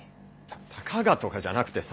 たかがとかじゃなくてさ